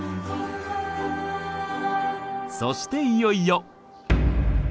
そしていよいよ。